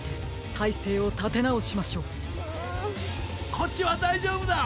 こっちはだいじょうぶだ！